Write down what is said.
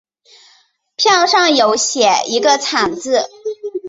票上有写一个惨字